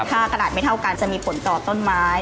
ถ้ากระดาษไม่เท่ากันจะมีผลต่อต้นไม้